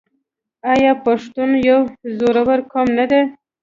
آیا پښتون یو زړور قوم نه دی؟